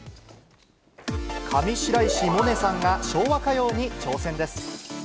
上白石萌音さんが、昭和歌謡に挑戦です。